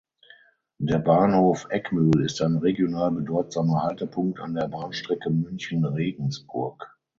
Der Bahnhof Eggmühl ist ein regional bedeutsamer Haltepunkt an der Bahnstrecke München–Regensburg.